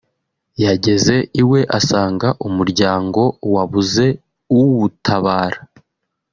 yageze iwe asanga umuryango wabuze uwutabara